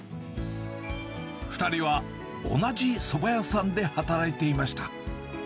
２人は同じそば屋さんで働いていました。